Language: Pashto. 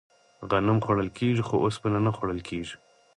غنم خوړل کیږي خو اوسپنه نه خوړل کیږي.